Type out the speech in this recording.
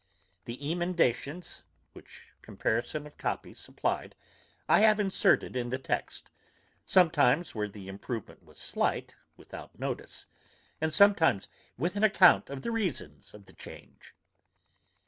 The emendations, which comparison of copies supplied, I have inserted in the text; sometimes where the improvement was slight, without notice, and sometimes with an account of the reasons of the change.